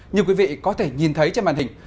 như quý vị có thể nhìn thấy trên màn hình